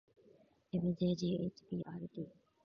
ｍｊｇｈｂｒｔ